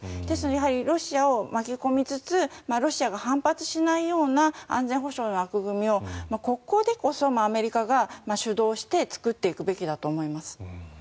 ですのでやはりロシアを巻き込みつつロシアが反発しないような安全保障の枠組みをここでこそアメリカが主導して作っていくべきだと思います。